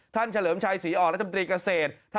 เฉลิมชัยศรีอ่อนรัฐมนตรีเกษตร